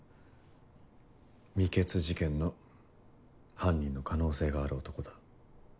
未決事件の犯人の可能性がある男だ。